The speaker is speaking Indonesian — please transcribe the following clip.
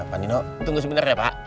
pak nino tunggu sebentar ya pak